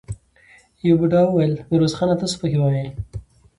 يوه بوډا وويل: ميرويس خانه! ته څه پکې وايې؟